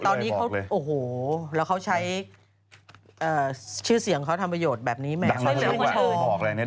ตอนนี้เขาโอโหแล้วเขาใช้ชื่อเสียงเขาทำประโยชน์แบบนี้ไหม